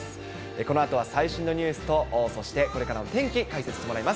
このあとは最新のニュースとそしてこれからの天気、解説してもらいます。